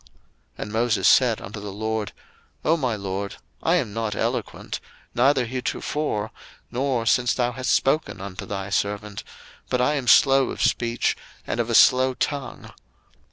02:004:010 And Moses said unto the LORD, O my LORD, I am not eloquent, neither heretofore, nor since thou hast spoken unto thy servant: but I am slow of speech, and of a slow tongue.